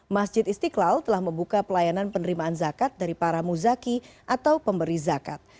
masjid istiqlal telah membuka pelayanan penerimaan zakat dari para muzaki atau pemberi zakat